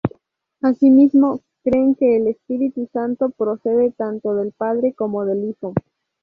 Asimismo, creen que el Espíritu Santo procede tanto del Padre como del Hijo.